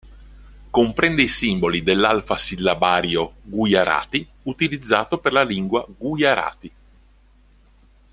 Comprende i simboli dell'alfasillabario gujarati utilizzato per la lingua gujarati.